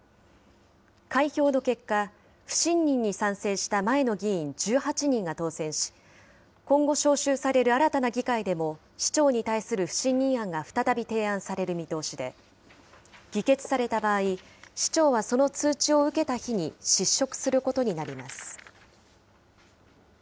開票の結果、不信任に賛成した前の議員１８人が当選し、今後、招集される新たな議会でも市長に対する不信任案が再び提案される見通しで、議決された場合、市長はその通知を受けた日に失職することになります。